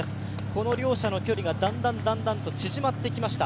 この両者の距離がだんだんと縮まってきました。